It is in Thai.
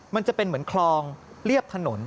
มันจะเป็นเหมือนคลองเรียบถนน